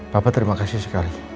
papa terima kasih sekali